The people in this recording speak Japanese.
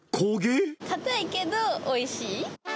かたいけどおいしい。